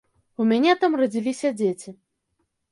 У мяне там радзіліся дзеці.